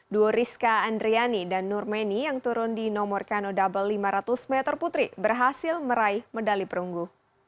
duo rizka andriani dan nurmeni yang turun di nomor kano double lima ratus meter putri berhasil meraih medali perunggu